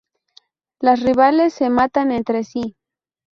Los rivales se matan entre sí.